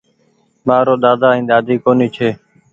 مآرو ۮاۮا ائين ۮاۮي ڪونيٚ ڇي